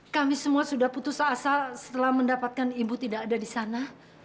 kami semua sudah putus asa setelah mendapatkan ibu tidak ada di sana